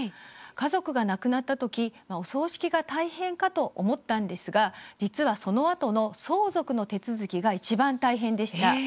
家族が亡くなった時お葬式が大変かと思ったんですが実は、そのあとの相続の手続きがいちばん大変でした。